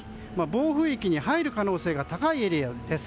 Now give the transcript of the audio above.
暴風域に入る可能性が高いエリアです。